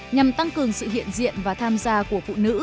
nhằm tăng cường sự hiện diện và tham gia của phụ nữ